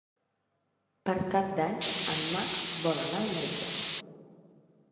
Per Cap d'Any en Max vol anar al metge.